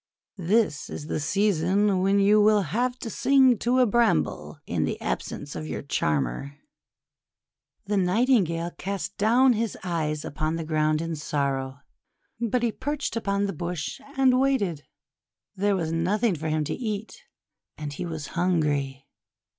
This is the season when you will have to sing to a Bramble in the ab sence of your charmer!'1 The Nightingale cast down his eyes upon the ground in sorrow, but he perched upon the bush and waited. There was nothing for him to eat, and he was hungry.